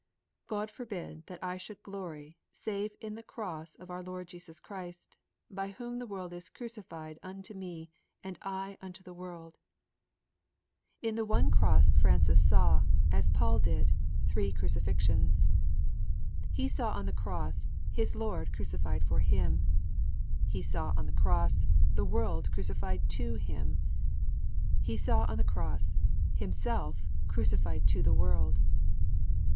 V '_God forbid that I should glory save in the Cross of our Lord Jesus Christ, by whom the world is crucified unto me and I unto the world._' In the one cross Francis saw as Paul did three crucifixions. He saw on the Cross his Lord crucified for him. He saw on the Cross the world crucified to him. He saw on the Cross himself crucified to the world.